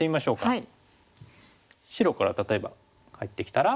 はい。